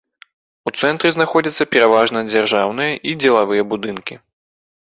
У цэнтры знаходзяцца пераважна дзяржаўныя і дзелавыя будынкі.